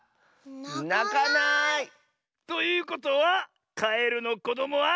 なかない！ということはカエルのこどもは。